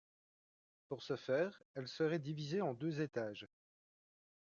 Pour ce faire, elle serait divisée en deux étages.